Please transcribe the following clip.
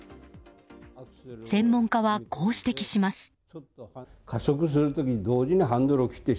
専門家はこう指摘します。